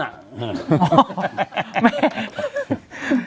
แม่